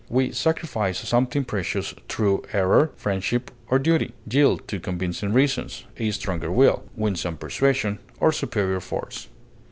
We sacrifice something precious through error, friendship, or duty, yield to convincing reasons, a stronger will, winsome persuasion, or superior force.